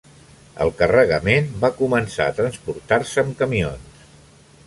El carregament va començar a transportar-se amb camions.